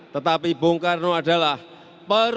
tetapi bung karno juga merupakan penguat yang berharga